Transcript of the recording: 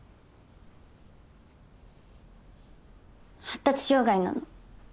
発達障害なの。